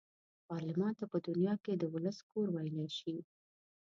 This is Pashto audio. پارلمان ته په دنیا کې د ولس کور ویلای شي.